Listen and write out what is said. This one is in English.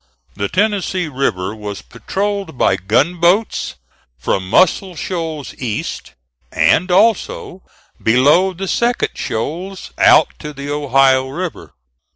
The Tennessee River was patrolled by gunboats, from Muscle Shoals east; and, also, below the second shoals out to the Ohio River.